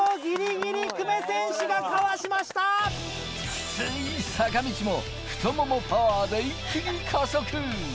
きつい坂道も太ももパワーで一気に加速。